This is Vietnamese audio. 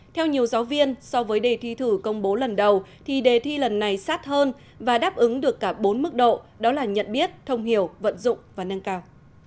theo nhiều giáo viên so với đề thi thử công bố lần đầu thì đề thi lần này sát hơn và đáp ứng được cả bốn mức độ đó là nhận biết thông hiểu vận dụng và nâng cao